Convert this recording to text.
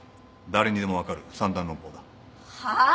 誰にでも分かる三段論法だ。はあ！？